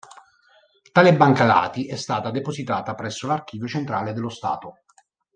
Tale banca dati è stata depositata presso l'Archivio centrale dello Stato.